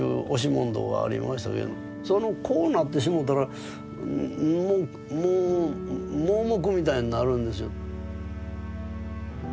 そのこうなってしもうたらもう盲目みたいになるんです。